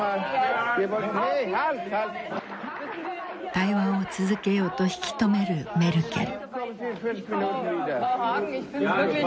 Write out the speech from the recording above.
対話を続けようと引き止めるメルケル。